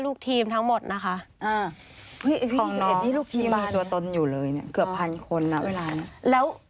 ทุกหน่องที่มีตัวตนอยู่เลยเกือบ๑๐๐๐คนละเวลานั้น